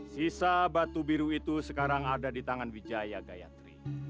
sisa batu biru itu sekarang ada di tangan wijaya gayatri